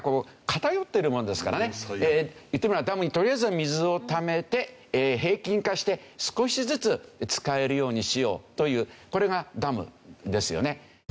言ってみればダムにとりあえず水をためて平均化して少しずつ使えるようにしようというこれがダムですよね。